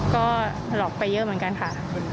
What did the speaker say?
ก็หลอกไปเยอะเหมือนกันค่ะ